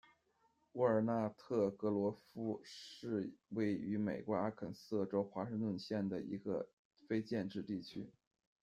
沃尔纳特格罗夫是位于美国阿肯色州华盛顿县的一个非建制地区。